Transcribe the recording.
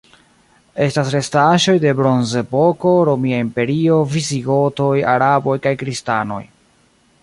Estas restaĵoj de Bronzepoko, Romia Imperio, visigotoj, araboj kaj kristanoj.